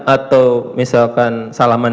atau misalkan salaman